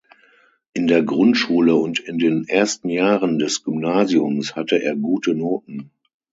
In der Grundschule und in den ersten Jahren des Gymnasiums hatte er gute Noten.